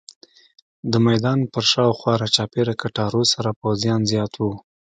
د میدان پر شاوخوا راچاپېره کټارو سره پوځیان زیات وو.